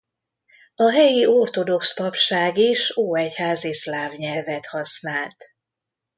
A helyi ortodox papság is ó-egyházi szláv nyelvet használt.